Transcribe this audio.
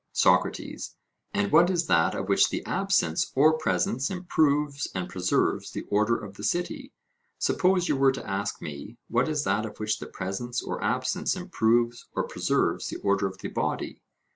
SOCRATES: And what is that of which the absence or presence improves and preserves the order of the city? Suppose you were to ask me, what is that of which the presence or absence improves or preserves the order of the body?